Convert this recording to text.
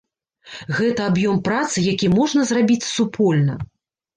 Гэта аб'ём працы, які можна зрабіць супольна.